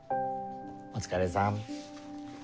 お疲れさん。